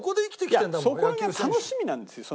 そこが楽しみなんですよ。